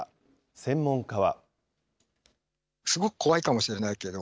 専門家は。